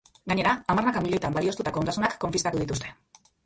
Gainera hamarnaka milioitan balioztatutako ondasunak konfiskatu dituzte.